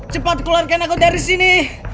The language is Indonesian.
cepat keluarkan aku dari sini